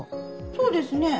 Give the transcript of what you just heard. そうですね。